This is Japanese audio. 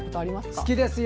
好きですよ！